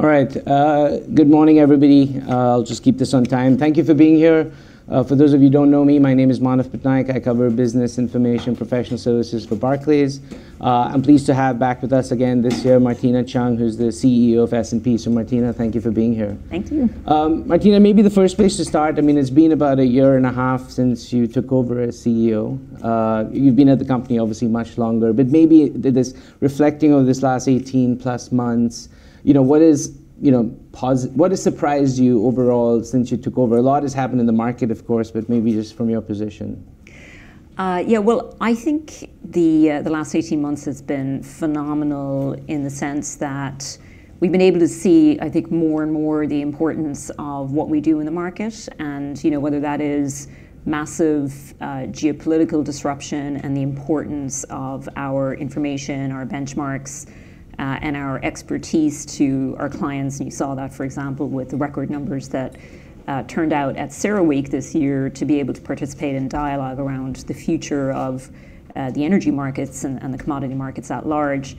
All right. Good morning, everybody. I'll just keep this on time. Thank you for being here. For those of you who don't know me, my name is Manav Patnaik. I cover business information professional services for Barclays. I'm pleased to have back with us again this year Martina Cheung, who's the CEO of S&P. Martina, thank you for being here. Thank you. Martina, maybe the first place to start, it's been about a year and a half since you took over as CEO. You've been at the company obviously much longer, but maybe this reflecting on this last 18+ months, what has surprised you overall since you took over? A lot has happened in the market, of course, but maybe just from your position. Yeah, well, I think the last 18 months has been phenomenal in the sense that we've been able to see, I think, more and more the importance of what we do in the market and, you know, whether that is massive geopolitical disruption and the importance of our information, our benchmarks, and our expertise to our clients. You saw that, for example, with the record numbers that turned out at CERAWeek this year to be able to participate in dialogue around the future of the energy markets and the commodity markets at large,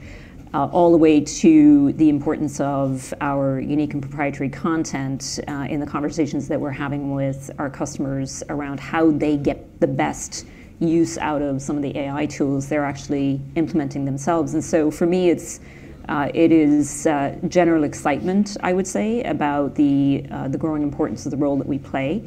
all the way to the importance of our unique and proprietary content in the conversations that we're having with our customers around how they get the best use out of some of the AI tools they're actually implementing themselves. For me, it is general excitement, I would say, about the growing importance of the role that we play.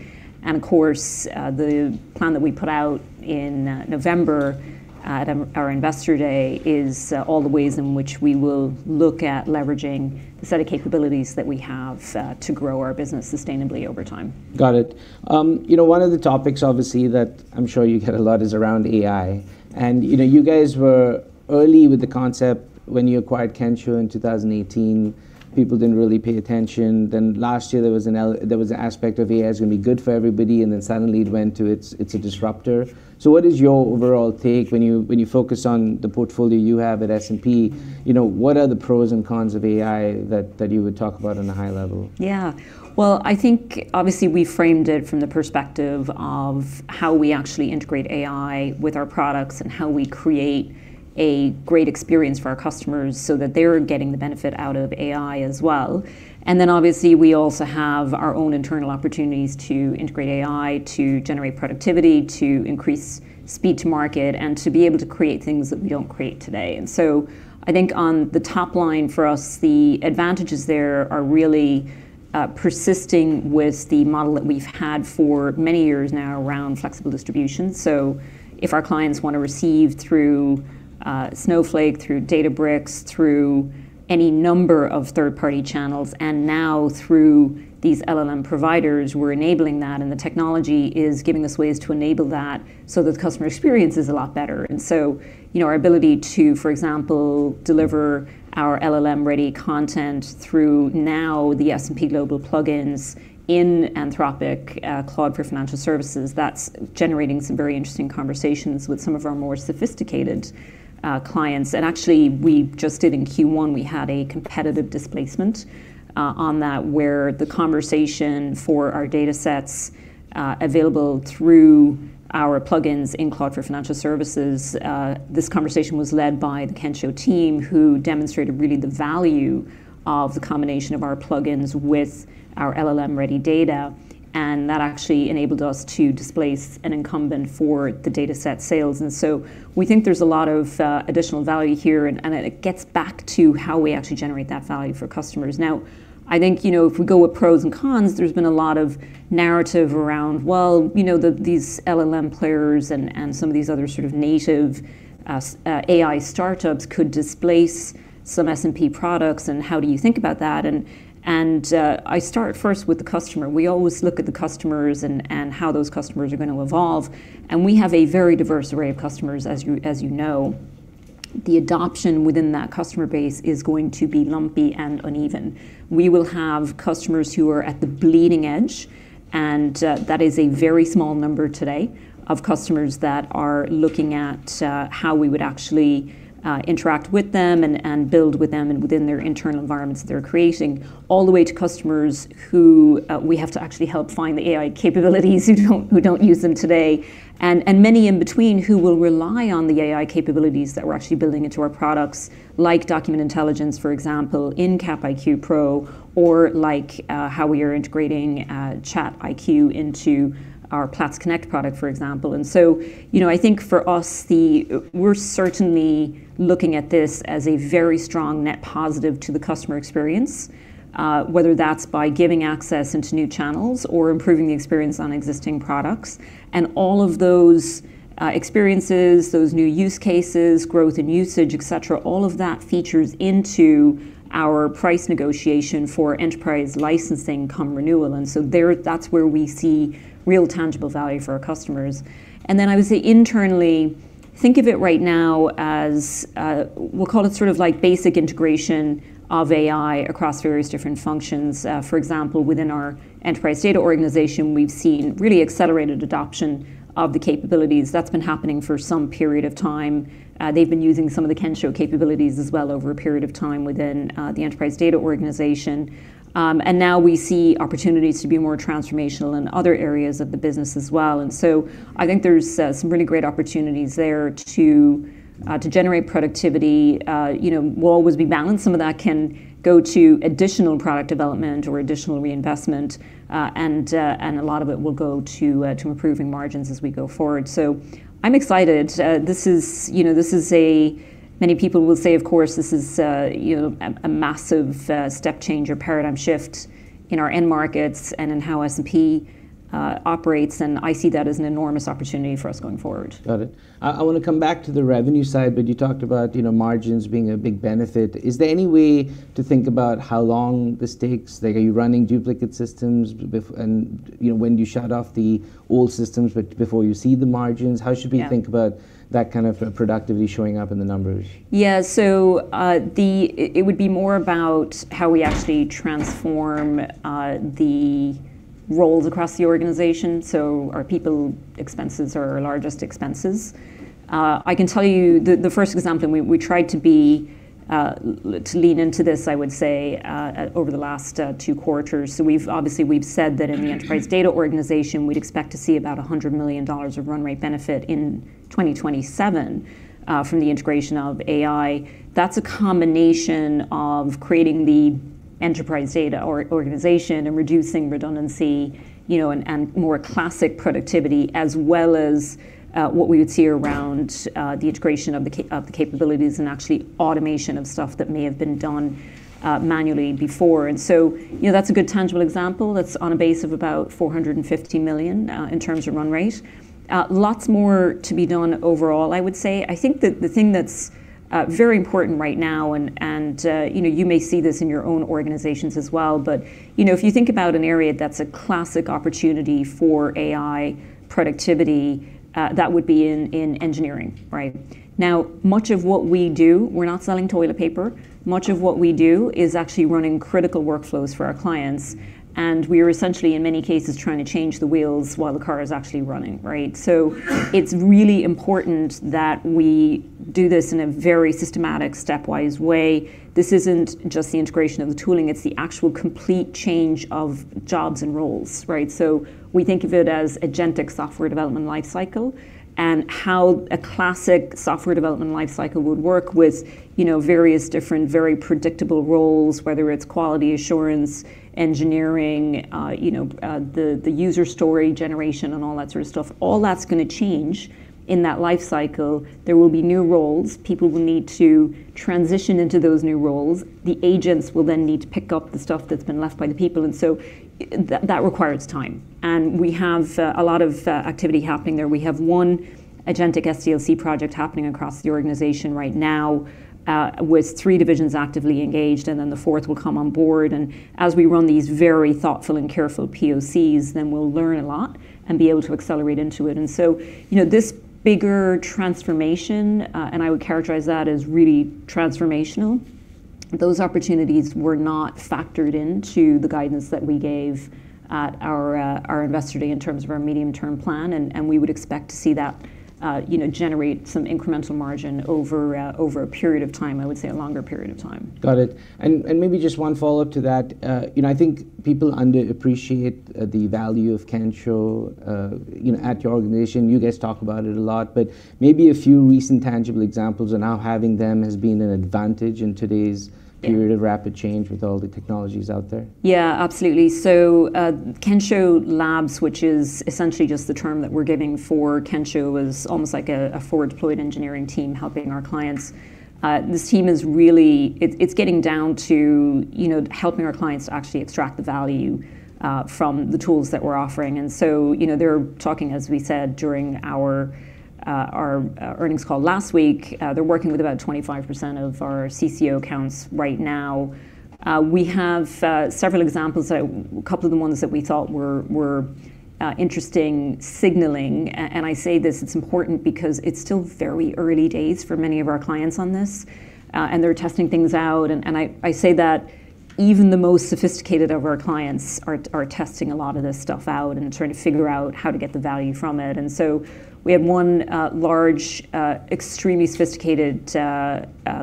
Of course, the plan that we put out in November at our Investor Day is all the ways in which we will look at leveraging the set of capabilities that we have to grow our business sustainably over time. Got it. You know, one of the topics obviously that I'm sure you get a lot is around AI. You know, you guys were early with the concept when you acquired Kensho in 2018. People didn't really pay attention. Last year there was an aspect of AI is gonna be good for everybody, and then suddenly it went to it's a disruptor. What is your overall take when you, when you focus on the portfolio you have at S&P? You know, what are the pros and cons of AI that you would talk about on a high level? Yeah. Well, I think obviously we framed it from the perspective of how we actually integrate AI with our products and how we create a great experience for our customers so that they're getting the benefit out of AI as well. Obviously, we also have our own internal opportunities to integrate AI to generate productivity, to increase speed to market, and to be able to create things that we don't create today. I think on the top line for us, the advantages there are really persisting with the model that we've had for many years now around flexible distribution. If our clients wanna receive through Snowflake, through Databricks, through any number of third-party channels, and now through these LLM providers, we're enabling that, and the technology is giving us ways to enable that so that the customer experience is a lot better. You know, our ability to, for example, deliver our LLM-ready content through now the S&P Global plugins in Anthropic, Claude for Financial Services, that's generating some very interesting conversations with some of our more sophisticated clients. Actually, we just did in Q1, we had a competitive displacement on that where the conversation for our datasets available through our plugins in Claude for Financial Services, this conversation was led by the Kensho team who demonstrated really the value of the combination of our plugins with our LLM-ready data, and that actually enabled us to displace an incumbent for the dataset sales. We think there's a lot of additional value here and it gets back to how we actually generate that value for customers. I think, you know, if we go with pros and cons, there's been a lot of narrative around, well, you know, these LLM players and some of these other sort of native AI startups could displace some S&P products, and how do you think about that? I start first with the customer. We always look at the customers and how those customers are gonna evolve, and we have a very diverse array of customers, as you know. The adoption within that customer base is going to be lumpy and uneven. We will have customers who are at the bleeding edge, and that is a very small number today of customers that are looking at how we would actually interact with them and build with them and within their internal environments they're creating, all the way to customers who we have to actually help find the AI capabilities who don't use them today, and many in between who will rely on the AI capabilities that we're actually building into our products, like Document Intelligence, for example, in CapIQ Pro, or like how we are integrating ChartIQ into our Platts Connect product, for example. You know, I think for us, we're certainly looking at this as a very strong net positive to the customer experience, whether that's by giving access into new channels or improving the experience on existing products. All of those experiences, those new use cases, growth in usage, et cetera, all of that features into our price negotiation for enterprise licensing come renewal. There, that's where we see real tangible value for our customers. I would say internally, think of it right now as we'll call it sort of like basic integration of AI across various different functions. For example, within our enterprise data organization, we've seen really accelerated adoption of the capabilities. That's been happening for some period of time. They've been using some of the Kensho capabilities as well over a period of time within the enterprise data organization. Now we see opportunities to be more transformational in other areas of the business as well. I think there's some really great opportunities there to generate productivity. You know, we'll always be balanced. Some of that can go to additional product development or additional reinvestment, and a lot of it will go to improving margins as we go forward. I'm excited. This is, you know, this is a Many people will say, of course, this is, you know, a massive step change or paradigm shift in our end markets and in how S&P operates, and I see that as an enormous opportunity for us going forward. Got it. I wanna come back to the revenue side. You talked about, you know, margins being a big benefit. Is there any way to think about how long this takes? Like, are you running duplicate systems and, you know, when do you shut off the old systems before you see the margins? Yeah Think about that kind of productivity showing up in the numbers? It would be more about how we actually transform the roles across the organization. Our people expenses are our largest expenses. I can tell you the first example, and we tried to be to lean into this, I would say, over the last two quarters. Obviously, we've said that in the Enterprise Data Organization, we'd expect to see about $100 million of run rate benefit in 2027 from the integration of AI. That's a combination of creating the Enterprise Data Organization and reducing redundancy, you know, and more classic productivity, as well as what we would see around the integration of the capabilities and actually automation of stuff that may have been done manually before. You know, that's a good tangible example. That's on a base of about $450 million in terms of run rate. Lots more to be done overall, I would say. I think that the thing that's very important right now and, you know, you may see this in your own organizations as well, but, you know, if you think about an area that's a classic opportunity for AI productivity, that would be in engineering, right? Much of what we do, we're not selling toilet paper. Much of what we do is actually running critical workflows for our clients, and we are essentially in many cases trying to change the wheels while the car is actually running, right? It's really important that we do this in a very systematic, stepwise way. This isn't just the integration of the tooling, it's the actual complete change of jobs and roles, right? We think of it as agentic software development life cycle and how a classic software development life cycle would work with, you know, various different, very predictable roles, whether it's quality assurance, engineering, user story generation and all that sort of stuff. All that's gonna change in that life cycle. There will be new roles. People will need to transition into those new roles. The agents will then need to pick up the stuff that's been left by the people, and that requires time. We have a lot of activity happening there. We have one agentic SDLC project happening across the organization right now, with three divisions actively engaged, and then the fourth will come on board. As we run these very thoughtful and careful POCs, then we'll learn a lot and be able to accelerate into it. You know, this bigger transformation, and I would characterize that as really transformational, those opportunities were not factored into the guidance that we gave at our Investor Day in terms of our medium-term plan, and we would expect to see that, you know, generate some incremental margin over a period of time, I would say a longer period of time. Got it. Maybe just one follow-up to that. you know, I think people underappreciate, the value of Kensho, you know, at your organization. You guys talk about it a lot, but maybe a few recent tangible examples of how having them has been an advantage. Yeah Period of rapid change with all the technologies out there. Yeah, absolutely. Kensho Labs, which is essentially just the term that we're giving for Kensho, is almost like a forward deployed engineering team helping our clients. This team is really getting down to, you know, helping our clients to actually extract the value from the tools that we're offering. You know, they're talking, as we said during our earnings call last week, they're working with about 25% of our CCO accounts right now. We have several examples that Couple of the ones that we thought were interesting signaling. I say this, it's important because it's still very early days for many of our clients on this, and they're testing things out. I say that even the most sophisticated of our clients are testing a lot of this stuff out and trying to figure out how to get the value from it. We have one large, extremely sophisticated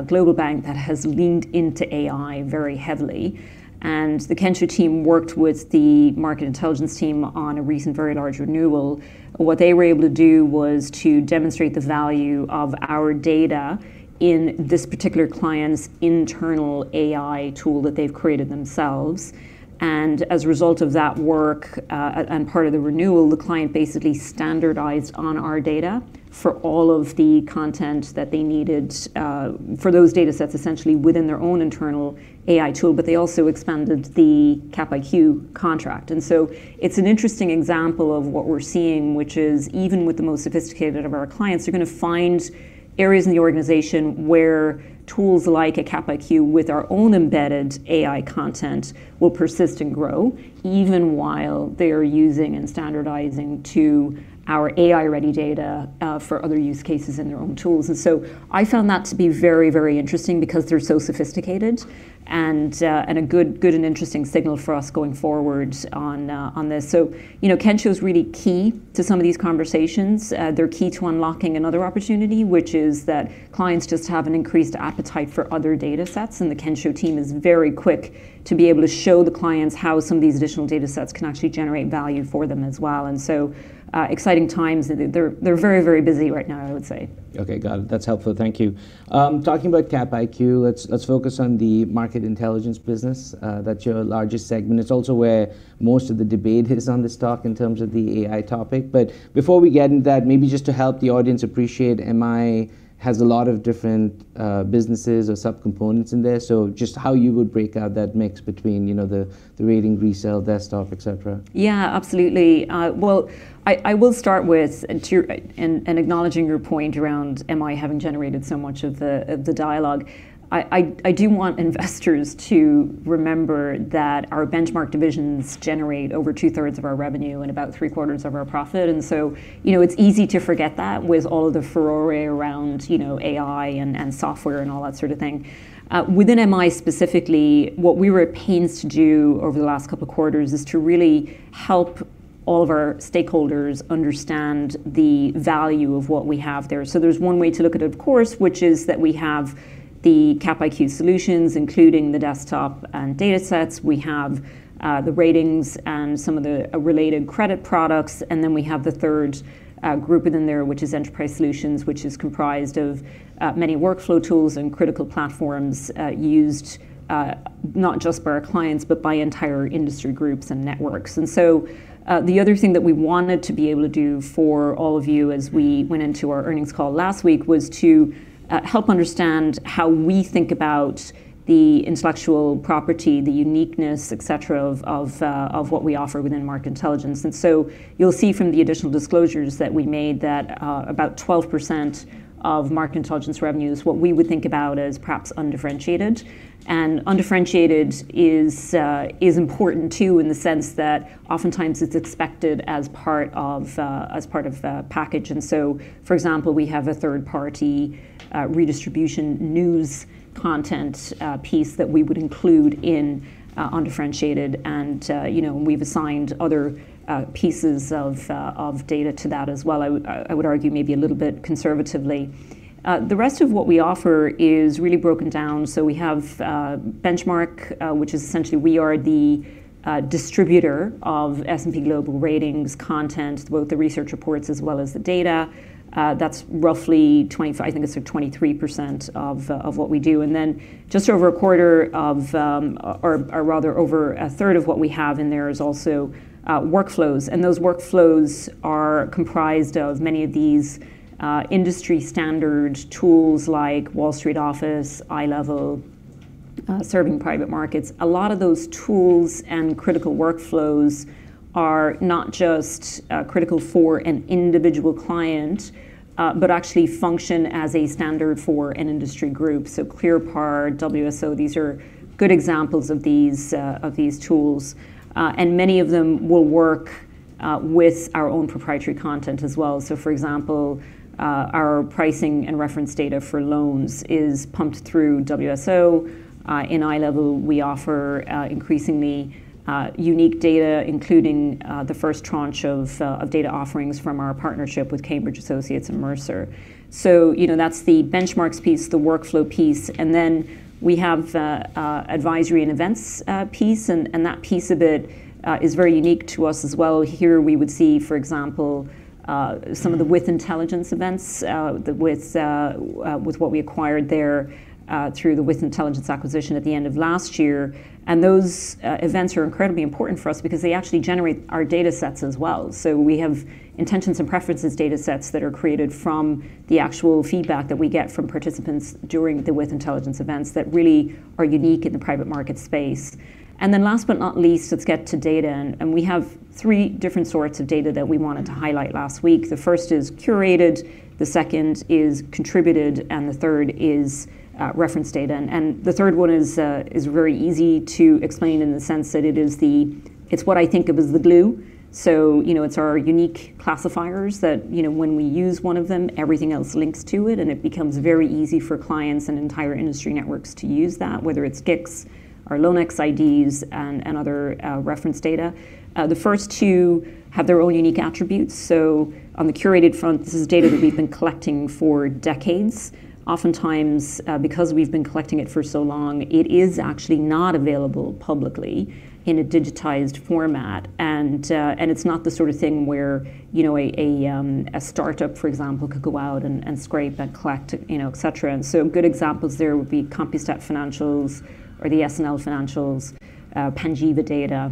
global bank that has leaned into AI very heavily, and the Kensho team worked with the market intelligence team on a recent very large renewal. What they were able to do was to demonstrate the value of our data in this particular client's internal AI tool that they've created themselves. As a result of that work, and part of the renewal, the client basically standardized on our data for all of the content that they needed for those datasets essentially within their own internal AI tool. They also expanded the CapIQ contract. It's an interesting example of what we're seeing, which is even with the most sophisticated of our clients, they're gonna find areas in the organization where tools like a CapIQ with our own embedded AI content will persist and grow even while they are using and standardizing to our AI-ready data for other use cases in their own tools. I found that to be very, very interesting because they're so sophisticated and a good and interesting signal for us going forward on this. You know, Kensho's really key to some of these conversations. They're key to unlocking another opportunity, which is that clients just have an increased appetite for other datasets, and the Kensho team is very quick to be able to show the clients how some of these additional datasets can actually generate value for them as well. Exciting times. They're very, very busy right now, I would say. Okay, got it. That's helpful. Thank you. Talking about CapIQ, let's focus on the Market Intelligence business. That's your largest segment. It's also where most of the debate hits on the stock in terms of the AI topic. Before we get into that, maybe just to help the audience appreciate MI has a lot of different businesses or subcomponents in there. Just how you would break out that mix between, you know, the rating, resale, desktop, et cetera. Yeah, absolutely. Well, I will start with acknowledging your point around MI having generated so much of the dialogue, I do want investors to remember that our benchmark divisions generate over two-thirds of our revenue and about three-quarters of our profit. You know, it's easy to forget that with all of the furor around, you know, AI and software and all that sort of thing. Within MI specifically, what we were at pains to do over the last couple of quarters is to really help all of our stakeholders understand the value of what we have there. There's one way to look at it, of course, which is that we have the CapIQ solutions, including the desktop and datasets. We have the ratings and some of the related credit products. We have the third group within there, which is enterprise solutions, which is comprised of many workflow tools and critical platforms used not just by our clients, but by entire industry groups and networks. The other thing that we wanted to be able to do for all of you as we went into our earnings call last week, was to help understand how we think about the intellectual property, the uniqueness, et cetera, of what we offer within Market Intelligence. You'll see from the additional disclosures that we made that about 12% of Market Intelligence revenues, what we would think about as perhaps undifferentiated. Undifferentiated is important too in the sense that oftentimes it's expected as part of a package. For example, we have a third-party redistribution news content piece that we would include in undifferentiated. We've assigned other pieces of data to that as well. I would argue maybe a little bit conservatively. The rest of what we offer is really broken down. We have benchmark, which is essentially we are the distributor of S&P Global Ratings content, both the research reports as well as the data. That's roughly 25%-- I think it's like 23% of what we do. Then just over a quarter of, or rather, over a third of what we have in there is also workflows. Those workflows are comprised of many of these industry standard tools like Wall Street Office, iLEVEL, serving private markets. A lot of those tools and critical workflows are not just critical for an individual client, but actually function as a standard for an industry group. ClearPar, WSO, these are good examples of these tools. Many of them will work with our own proprietary content as well. For example, our pricing and reference data for loans is pumped through WSO. In iLEVEL, we offer increasingly unique data, including the first tranche of data offerings from our partnership with Cambridge Associates and Mercer. You know, that's the benchmarks piece, the workflow piece. We have the advisory and events piece and that piece of it is very unique to us as well. Here we would see, for example, some of the With Intelligence events, with what we acquired there, through the With Intelligence acquisition at the end of last year. Those events are incredibly important for us because they actually generate our datasets as well. We have intentions and preferences datasets that are created from the actual feedback that we get from participants during the With Intelligence events that really are unique in the private market space. Then last but not least, let's get to data. We have three different sorts of data that we wanted to highlight last week. The first is curated, the second is contributed, and the third is reference data. The third one is very easy to explain in the sense that it's what I think of as the glue. You know, it's our unique classifiers that, you know, when we use one of them, everything else links to it, and it becomes very easy for clients and entire industry networks to use that, whether it's GICS or LoanX IDs and other reference data. The first two have their own unique attributes. On the curated front, this is data that we've been collecting for decades. Oftentimes, because we've been collecting it for so long, it is actually not available publicly in a digitized format. It's not the sort of thing where, you know, a startup, for example, could go out and scrape and collect, you know, et cetera. Good examples there would be Compustat financials or the SNL financials, Panjiva data.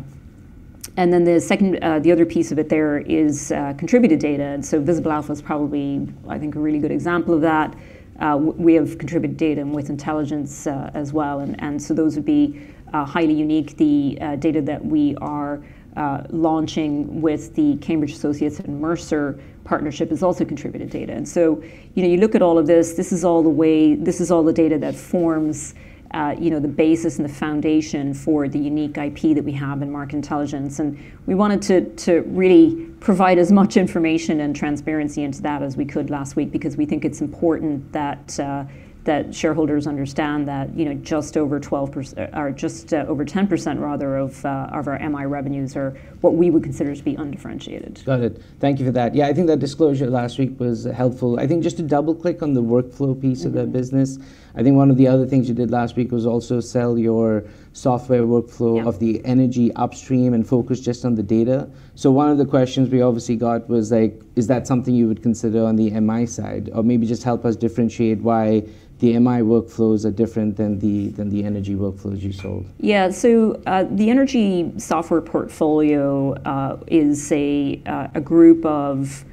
The second, the other piece of it there is contributed data. Visible Alpha is probably, I think, a really good example of that. We have contributed data With Intelligence as well. So those would be highly unique. The data that we are launching with the Cambridge Associates and Mercer partnership is also contributed data. You know, you look at all of this is all the data that forms, you know, the basis and the foundation for the unique IP that we have in Market Intelligence. We wanted to really provide as much information and transparency into that as we could last week because we think it's important that shareholders understand that, you know, just over 12% or just over 10% rather of our MI revenues are what we would consider to be undifferentiated. Got it. Thank you for that. Yeah, I think that disclosure last week was helpful. I think just to double-click on the workflow piece of that business, I think one of the other things you did last week was also sell your software workflow. Yeah Of the energy upstream and focus just on the data. One of the questions we obviously got was like, is that something you would consider on the MI side? Maybe just help us differentiate why the MI workflows are different than the energy workflows you sold. Yeah. The energy software portfolio is a group of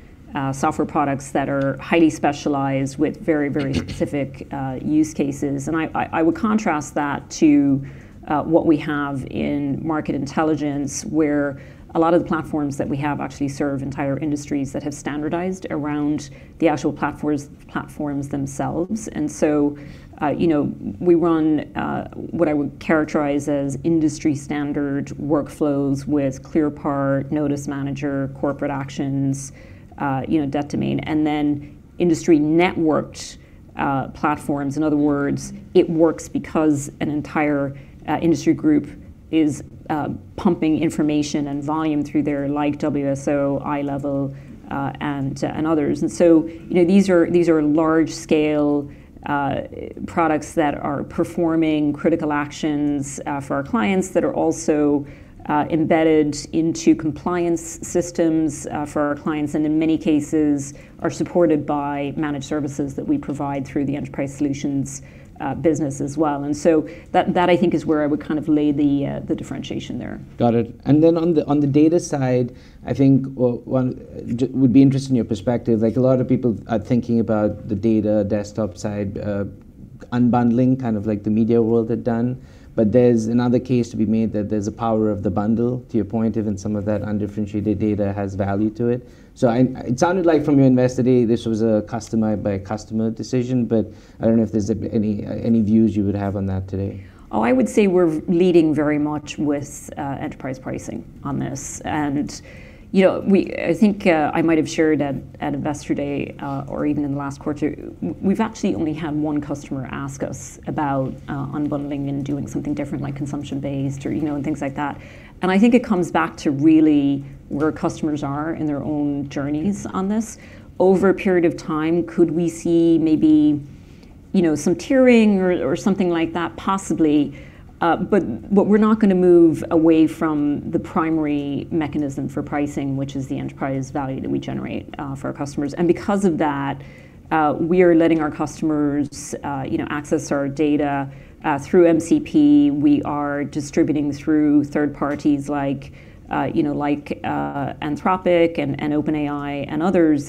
software products that are highly specialized with very, very specific use cases. I, I would contrast that to what we have in Market Intelligence, where a lot of the platforms that we have actually serve entire industries that have standardized around the actual platforms themselves. You know, we run what I would characterize as industry standard workflows with ClearPar, Notice Manager, Corporate Actions, you know, Debtdomain, and then industry networked platforms. In other words, it works because an entire industry group is pumping information and volume through there like WSO, iLEVEL, and others. You know, these are large scale products that are performing critical actions for our clients that are also embedded into compliance systems for our clients, and in many cases are supported by managed services that we provide through the enterprise solutions business as well. That I think is where I would kind of lay the differentiation there. Got it. On the, on the data side, I think, one would be interested in your perspective, like a lot of people are thinking about the data desktop side, unbundling, kind of like the media world had done. There's another case to be made that there's a power of the bundle, to your point, if in some of that undifferentiated data has value to it. I, it sounded like from your Investor Day, this was a customer by customer decision, but I don't know if there's any views you would have on that today. I would say we're leading very much with enterprise pricing on this. You know, we I think I might have shared at Investor Day or even in the last quarter, we've actually only had one customer ask us about unbundling and doing something different like consumption-based or, you know, and things like that. I think it comes back to really where customers are in their own journeys on this. Over a period of time, could we see maybe, you know, some tiering or something like that? Possibly. What we're not gonna move away from the primary mechanism for pricing, which is the enterprise value that we generate for our customers. Because of that, we are letting our customers, you know, access our data through MCP. We are distributing through third parties like, you know, like Anthropic and OpenAI and others.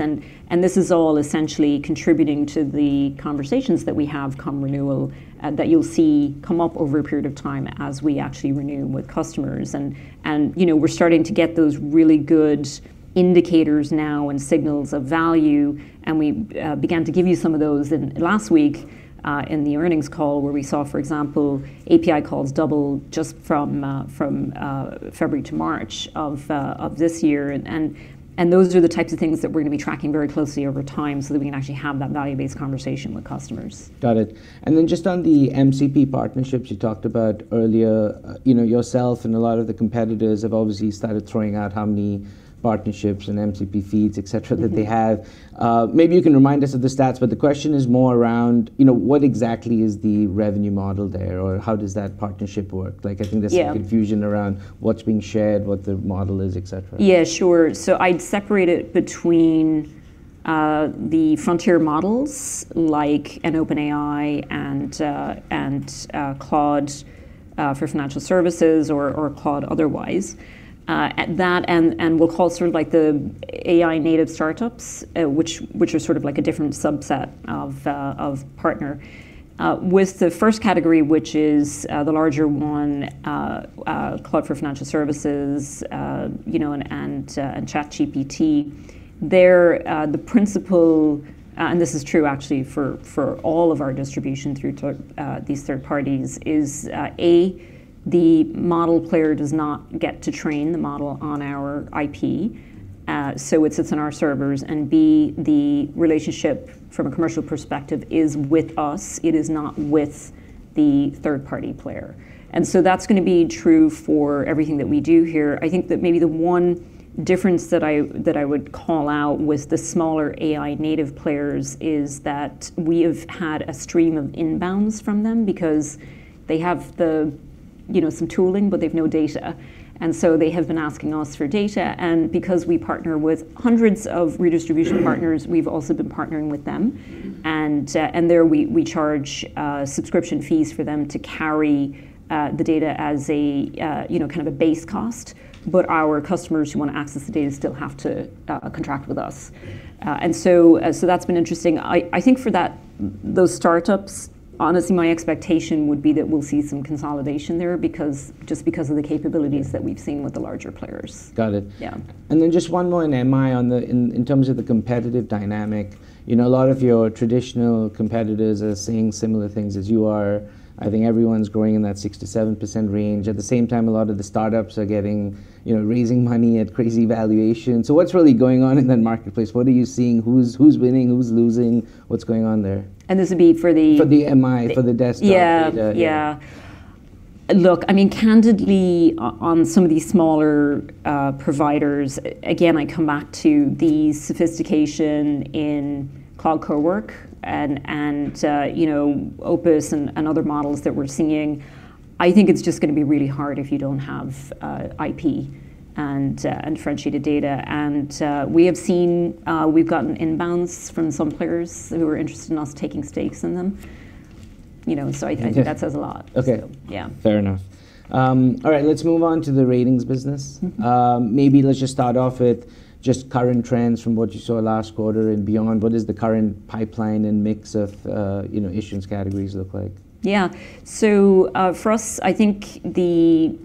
This is all essentially contributing to the conversations that we have come renewal that you'll see come up over a period of time as we actually renew with customers. You know, we're starting to get those really good indicators now and signals of value, and we began to give you some of those in last week in the earnings call where we saw, for example, API calls double just from February to March of this year. Those are the types of things that we're gonna be tracking very closely over time so that we can actually have that value-based conversation with customers. Got it. Then just on the MCP partnerships you talked about earlier, you know, yourself and a lot of the competitors have obviously started throwing out how many partnerships and MCP feeds, et cetera. that they have. Maybe you can remind us of the stats, the question is more around, you know, what exactly is the revenue model there, or how does that partnership work? Yeah some confusion around what's being shared, what the model is, et cetera. Yeah, sure. I'd separate it between, the frontier models like an OpenAI and Claude for Financial Services or Claude otherwise, that and we'll call sort of like the AI native startups, which are sort of like a different subset of partner. With the first category, which is, the larger one, Claude for Financial Services, you know, and ChatGPT, there, the principle and this is true actually for all of our distribution through these third parties, is, A, the model player does not get to train the model on our IP, so it sits on our servers, and B, the relationship from a commercial perspective is with us, it is not with the third-party player. So that's going to be true for everything that we do here. I think that maybe the one difference that I would call out with the smaller AI native players is that we have had a stream of inbounds from them because they have the, you know, some tooling, but they've no data, and so they have been asking us for data. Because we partner with hundreds of redistribution partners, we've also been partnering with them, and there we charge subscription fees for them to carry the data as a, you know, kind of a base cost, but our customers who want to access the data still have to contract with us. So that's been interesting. I think for that, those startups, honestly, my expectation would be that we'll see some consolidation there just because of the capabilities that we've seen with the larger players. Got it. Yeah. Just one more on MI in terms of the competitive dynamic. You know, a lot of your traditional competitors are seeing similar things as you are. I think everyone's growing in that 67% range. At the same time, a lot of the startups are getting, you know, raising money at crazy valuations. What's really going on in that marketplace? What are you seeing? Who's winning? Who's losing? What's going on there? This would be for. For the MI, for the desktop data. Yeah. Yeah. Yeah. Look, I mean, candidly, on some of these smaller providers, again, I come back to the sophistication in Cloud CoWork and, you know, Opus and other models that we're seeing. I think it's just gonna be really hard if you don't have IP and differentiated data. We have seen we've gotten inbounds from some players who are interested in us taking stakes in them, you know. Okay That says a lot. Okay. Yeah. Fair enough. All right, let's move on to the ratings business. Maybe let's just start off with just current trends from what you saw last quarter and beyond. What is the current pipeline and mix of, you know, issuance categories look like? Yeah. For us, I think the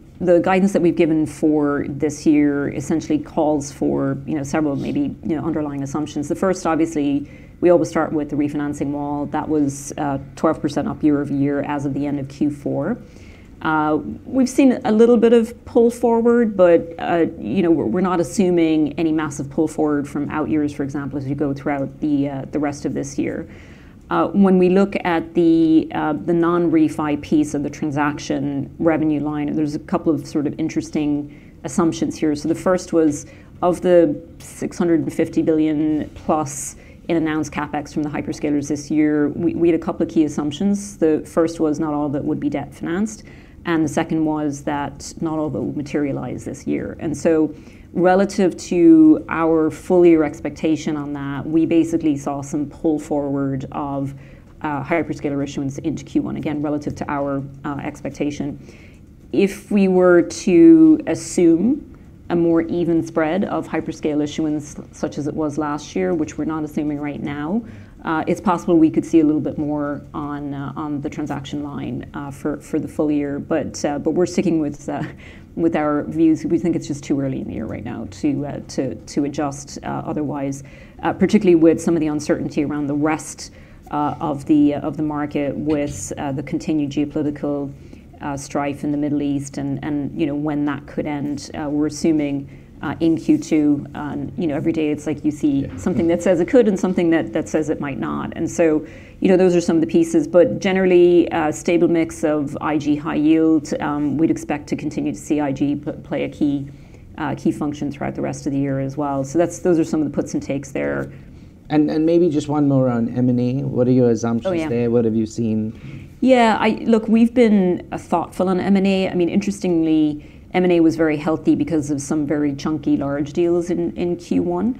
guidance that we've given for this year essentially calls for, you know, several maybe, you know, underlying assumptions. The first, obviously, we always start with the refinancing wall. That was 12% up year-over-year as of the end of Q4. We've seen a little bit of pull forward, but, you know, we're not assuming any massive pull forward from out years, for example, as you go throughout the rest of this year. When we look at the non-refi piece of the transaction revenue line, there's a couple of sort of interesting assumptions here. The first was, of the $650+ billion in announced CapEx from the hyperscalers this year, we had a couple of key assumptions. The first was not all of it would be debt financed, and the second was that not all of it would materialize this year. Relative to our full-year expectation on that, we basically saw some pull forward of hyperscaler issuance into Q1, again, relative to our expectation. If we were to assume a more even spread of hyperscale issuance such as it was last year, which we're not assuming right now. It's possible we could see a little bit more on the transaction line for the full-year. We're sticking with our views. We think it's just too early in the year right now to adjust otherwise. Particularly with some of the uncertainty around the rest of the market with the continued geopolitical strife in the Middle East and, you know, when that could end. We're assuming in Q2. You know, every day it's like you see- Yeah something that says it could and something that says it might not. You know, those are some of the pieces. Generally, stable mix of IG high yields. We'd expect to continue to see IG play a key function throughout the rest of the year as well. Those are some of the puts and takes there. Maybe just one more on M&A. What are your assumptions there? Oh, yeah. What have you seen? Yeah, I Look, we've been thoughtful on M&A. I mean, interestingly, M&A was very healthy because of some very chunky large deals in Q1.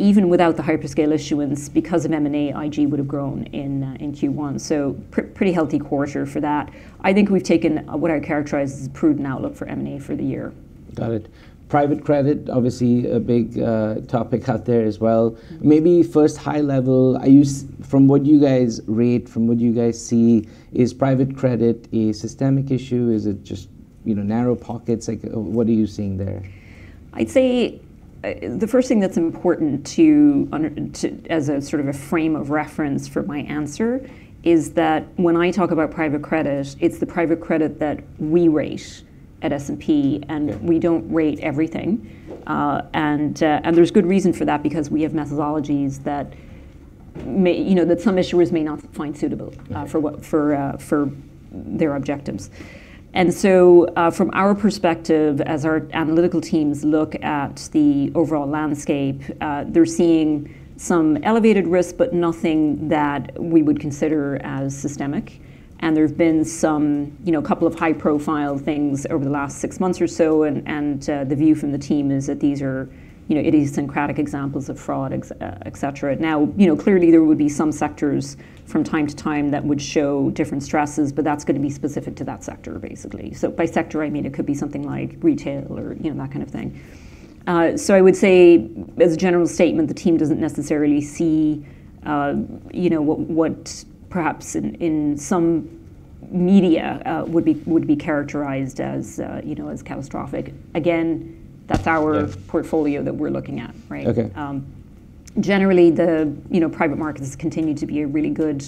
Even without the hyperscale issuance, because of M&A, IG would have grown in Q1. Pretty healthy quarter for that. I think we've taken what I characterize as a prudent outlook for M&A for the year. Got it. Private credit, obviously a big topic out there as well. Maybe first high level, are you from what you guys read, from what you guys see, is private credit a systemic issue? Is it just, you know, narrow pockets? Like, what are you seeing there? I'd say, the first thing that's important as a sort of a frame of reference for my answer, is that when I talk about private credit, it's the private credit that we rate at S&P- Yeah We don't rate everything. There's good reason for that, because we have methodologies that may, you know, that some issuers may not find suitable. Yeah for their objectives. From our perspective as our analytical teams look at the overall landscape, they're seeing some elevated risk, but nothing that we would consider as systemic. There have been some, you know, two high-profile things over the last six months or so, and the view from the team is that these are, you know, idiosyncratic examples of fraud, etc. You know, clearly there would be some sectors from time to time that would show different stresses, but that's gonna be specific to that sector, basically. By sector, I mean it could be something like retail or, you know, that kind of thing. I would say as a general statement, the team doesn't necessarily see, you know, what perhaps in some media, would be characterized as, you know, as catastrophic. Yeah portfolio that we're looking at, right? Okay. Generally the, you know, private markets continue to be a really good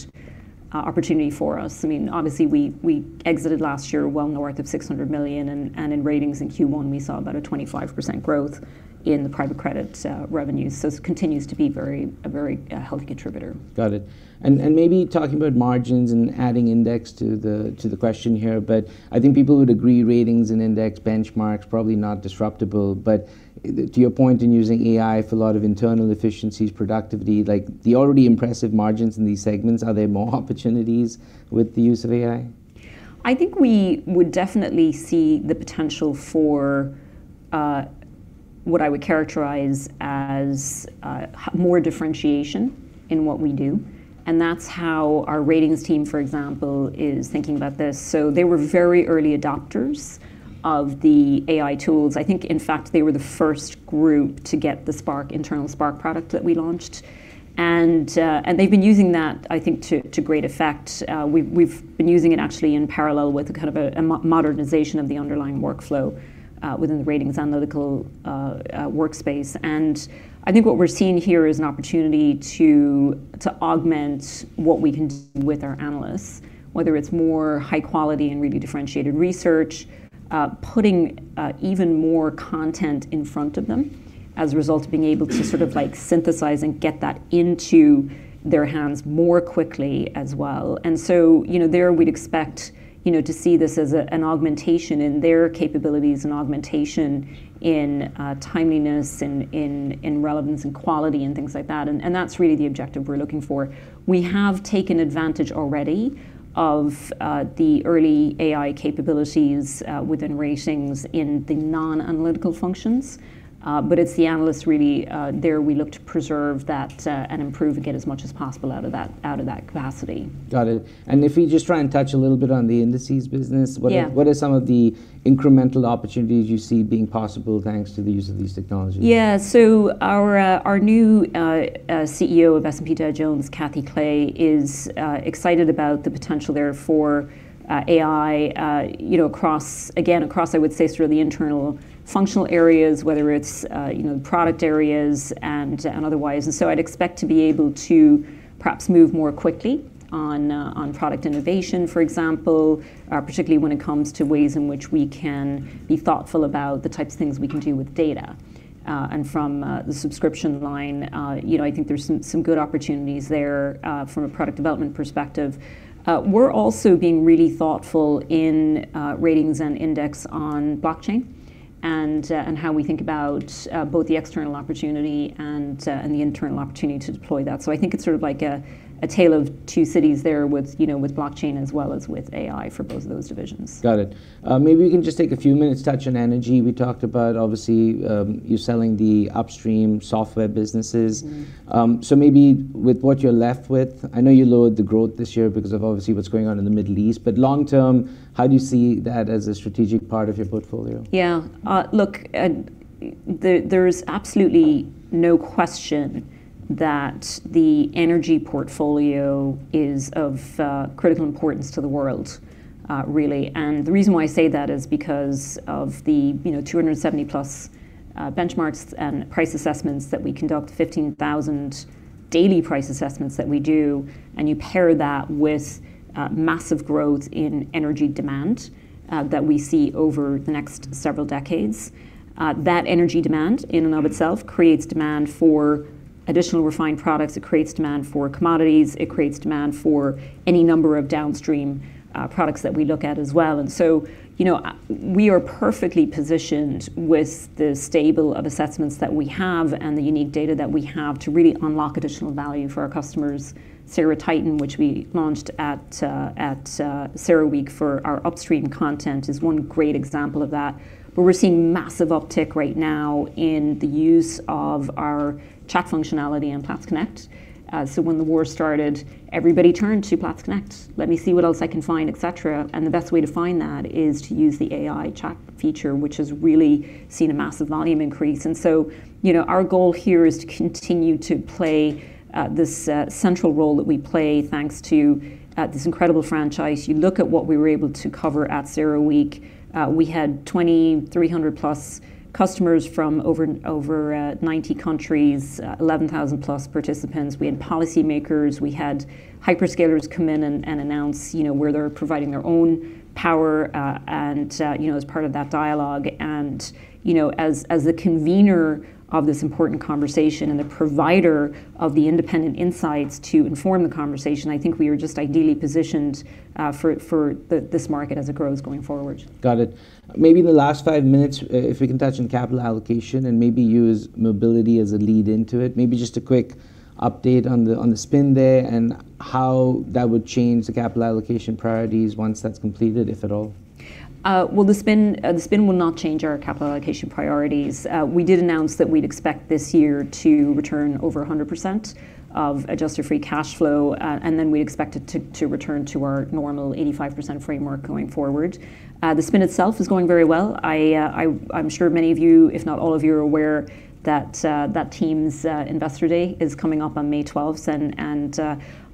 opportunity for us. I mean, obviously we exited last year well north of $600 million, and in ratings in Q1, we saw about a 25% growth in the private credit revenues. It continues to be a very healthy contributor. Got it. Maybe talking about margins and adding index to the question here, but I think people would agree ratings and index benchmarks probably not disruptable. To your point in using AI for a lot of internal efficiencies, productivity, like the already impressive margins in these segments, are there more opportunities with the use of AI? I think we would definitely see the potential for what I would characterize as more differentiation in what we do, and that's how our ratings team, for example, is thinking about this. They were very early adopters of the AI tools. I think, in fact, they were the first group to get the Spark, internal Spark product that we launched. They've been using that, I think, to great effect. We've been using it actually in parallel with a kind of a modernization of the underlying workflow within the ratings analytical workspace. I think what we're seeing here is an opportunity to augment what we can do with our analysts, whether it's more high quality and really differentiated research, putting even more content in front of them as a result of being able to sort of like synthesize and get that into their hands more quickly as well. You know, there we'd expect, you know, to see this as an augmentation in their capabilities and augmentation in timeliness and in relevance and quality and things like that. That's really the objective we're looking for. We have taken advantage already of the early AI capabilities within ratings in the non-analytical functions. It's the analysts really, there we look to preserve that and improve and get as much as possible out of that capacity. Got it. If we just try and touch a little bit on the indices business. Yeah. What are some of the incremental opportunities you see being possible thanks to the use of these technologies? Our new CEO of S&P Dow Jones, Catherine Clay, is excited about the potential there for AI, you know, across, again, across, I would say, sort of the internal functional areas, whether it's, you know, product areas and otherwise. I'd expect to be able to perhaps move more quickly on product innovation, for example. Particularly when it comes to ways in which we can be thoughtful about the types of things we can do with data. From the subscription line, you know, I think there's some good opportunities there from a product development perspective. We're also being really thoughtful in ratings and index on blockchain and how we think about both the external opportunity and the internal opportunity to deploy that. I think it's sort of like a tale of two cities there with, you know, with blockchain as well as with AI for both of those divisions. Got it. Maybe we can just take a few minutes, touch on energy. We talked about obviously, you selling the upstream software businesses. Maybe with what you're left with, I know you lowered the growth this year because of obviously what's going on in the Middle East, but long-term, how do you see that as a strategic part of your portfolio? Look, there's absolutely no question that the energy portfolio is of critical importance to the world, really. The reason why I say that is because of the, you know, 270+ benchmarks and price assessments that we conduct, 15,000 daily price assessments that we do, and you pair that with massive growth in energy demand that we see over the next several decades. That energy demand in and of itself creates demand for additional refined products, it creates demand for commodities, it creates demand for any number of downstream products that we look at as well. You know, we are perfectly positioned with the stable of assessments that we have and the unique data that we have to really unlock additional value for our customers. CERA Titan, which we launched at CERAWeek for our upstream content, is one great example of that, where we're seeing massive uptick right now in the use of our chat functionality and Platts Connect. When the war started, everybody turned to Platts Connect, let me see what else I can find, et cetera. The best way to find that is to use the AI chat feature, which has really seen a massive volume increase. You know, our goal here is to continue to play this central role that we play thanks to this incredible franchise. You look at what we were able to cover at CERAWeek, we had 2,300+ customers from over 90 countries, 11,000+ participants. We had policymakers, we had hyperscalers come in and announce, you know, where they're providing their own power, and, you know, as part of that dialogue. You know, as the convener of this important conversation and the provider of the independent insights to inform the conversation, I think we are just ideally positioned for this market as it grows going forward. Got it. Maybe in the last five minutes, if we can touch on capital allocation and maybe use mobility as a lead into it. Maybe just a quick update on the spin there and how that would change the capital allocation priorities once that's completed, if at all. The spin will not change our capital allocation priorities. We did announce that we'd expect this year to return over 100% of adjusted free cash flow. Then we expect it to return to our normal 85% framework going forward. The spin itself is going very well. I'm sure many of you, if not all of you, are aware that that team's Investor Day is coming up on May 12th, and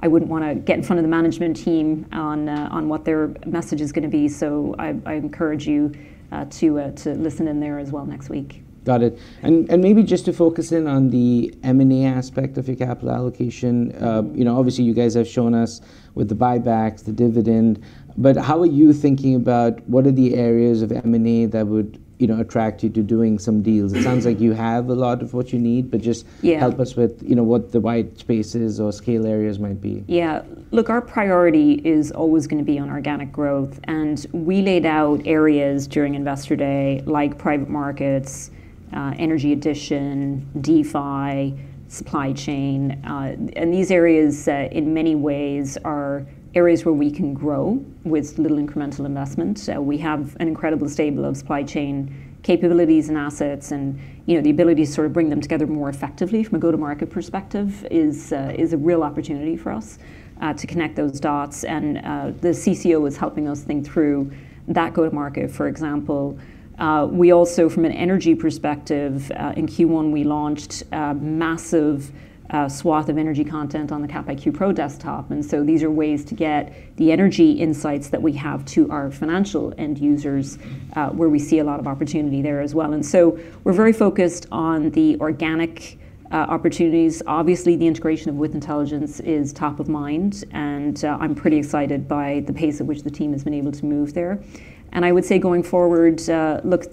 I wouldn't wanna get in front of the management team on what their message is gonna be. I encourage you to listen in there as well next week. Got it. Maybe just to focus in on the M&A aspect of your capital allocation, you know, obviously you guys have shown us with the buybacks, the dividend, how are you thinking about what are the areas of M&A that would, you know, attract you to doing some deals? It sounds like you have a lot of what you need, but just. Yeah Help us with, you know, what the white spaces or scale areas might be. Yeah. Look, our priority is always gonna be on organic growth, and we laid out areas during Investor Day like private markets, energy addition, DeFi, supply chain. These areas, in many ways are areas where we can grow with little incremental investment. We have an incredible stable of supply chain capabilities and assets and, you know, the ability to sort of bring them together more effectively from a go-to-market perspective is a real opportunity for us to connect those dots. The CCO is helping us think through that go-to-market, for example. We also, from an energy perspective, in Q1 we launched a massive swath of energy content on the CapIQ Pro desktop, and so these are ways to get the energy insights that we have to our financial end users, where we see a lot of opportunity there as well. We're very focused on the organic opportunities. Obviously, the integration of With Intelligence is top of mind, and I'm pretty excited by the pace at which the team has been able to move there. I would say going forward, look,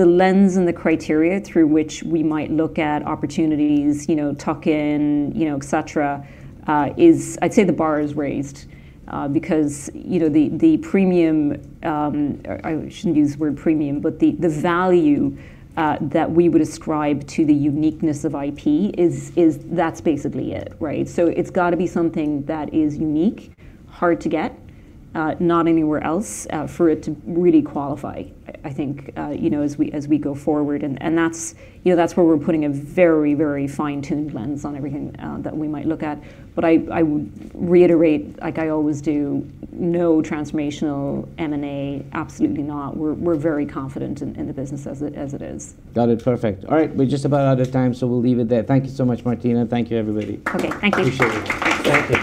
the lens and the criteria through which we might look at opportunities, you know, tuck-in, you know, et cetera, is I'd say the bar is raised, because, you know, the premium, I shouldn't use the word premium, but the value that we would ascribe to the uniqueness of IP is, that's basically it, right? It's gotta be something that is unique, hard to get, not anywhere else, for it to really qualify, I think, you know, as we go forward. That's, you know, that's where we're putting a very, very fine-tuned lens on everything that we might look at. I would reiterate, like I always do, no transformational M&A. Absolutely not. We're very confident in the business as it is. Got it. Perfect. All right. We're just about out of time, so we'll leave it there. Thank you so much, Martina. Thank you, everybody. Okay. Thank you. Appreciate it. Thank you.